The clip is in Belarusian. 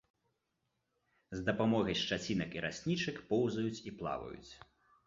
З дапамогай шчацінак і раснічак поўзаюць і плаваюць.